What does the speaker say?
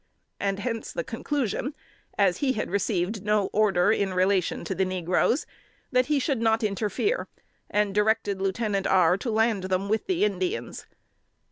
and hence the conclusion, as he had received no order in relation to the negroes, he should not interfere; and directed Lieutenant R. to land them with the Indians.